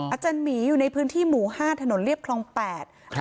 อาจารย์หมีอยู่ในพื้นที่หมู่ห้าถนนเรียบคลองแปดครับ